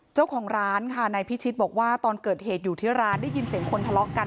เจ้าของร้านค่ะนายพิชิตบอกว่าตอนเกิดเหตุอยู่ที่ร้านได้ยินเสียงคนทะเลาะกัน